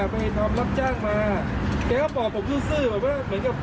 ไปทำรับจ้างมาแกก็บอกผมซื้อแบบว่าเหมือนกับ